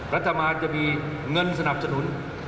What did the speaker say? รัฐบาลจะมีเงินสนับสนุน